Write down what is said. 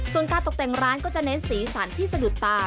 ส่วนการตกแต่งร้านก็จะเน้นสีสันที่สะดุดตา